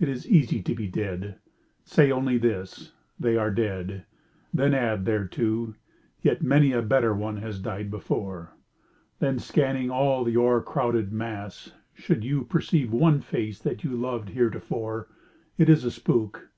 It is easy to be dead. Say only this, " They are dead." Then add thereto, " Yet many a better one has died before." Then, scanning all the o'ercrowded mass, should you Perceive one face that you loved heretofore, It is a spook.